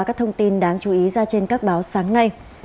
các thông tin đáng chú ý ra trên các báo sáng nay